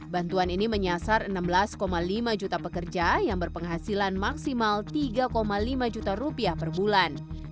bantuan ini menyasar enam belas lima juta pekerja yang berpenghasilan maksimal tiga lima juta rupiah per bulan